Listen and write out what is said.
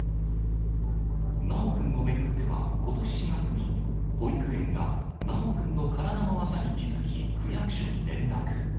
修くんを巡ってはことし４月に、保育園が修くんの体のあざに気付き、区役所に連絡。